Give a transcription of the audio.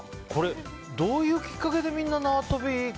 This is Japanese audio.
どういうきっかけでみんな、縄跳びを。